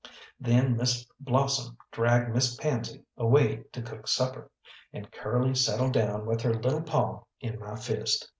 Then Miss Blossom dragged Miss Pansy away to cook supper, and Curly settled down with her little paw in my fist.